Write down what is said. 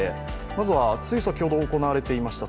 まずはつい先ほど行われていました